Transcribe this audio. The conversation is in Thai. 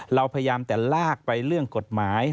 เราพยายามแต่ลากไปเรื่องกฎหมาย